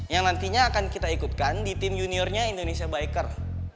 yang nantinya akan kita ikutkan di tim juniornya indonesia biker